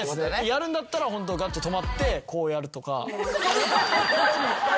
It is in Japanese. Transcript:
やるんだったらガッて止まってこうやるとか。